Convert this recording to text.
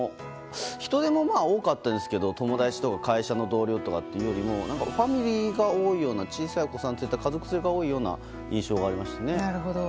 人出も多かったんですけど友達とか会社の同僚というよりもファミリーが多いような小さいお子さんを連れた家族連れが多いような印象がありましたね。